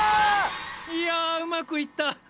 いやうまくいった。